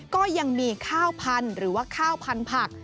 ก็ยังมีข้าวพันธุ์หรือว่าข้าวพันธุ์ผัก